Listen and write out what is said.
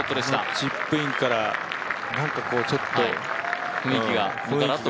このチップインから、なんかちょっと雰囲気が。